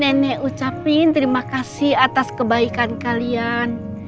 nenek ucapin terima kasih atas kebaikan kalian